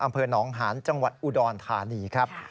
อำเภอหนองหานจังหวัดอุดรธานีครับ